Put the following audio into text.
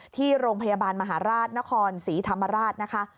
ที่โรงพยาบาลมหาราชนครศรีธรรมราชนะคะ